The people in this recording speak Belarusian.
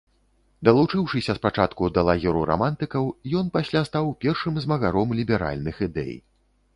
Далучыўшыся спачатку да лагеру рамантыкаў, ён пасля стаў першым змагаром ліберальных ідэй.